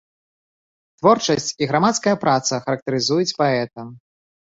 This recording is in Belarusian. Творчасць і грамадская праца характарызуюць паэта.